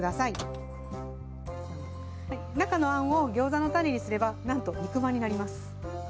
中のあんをギョーザのタネにすればなんと肉まんになります。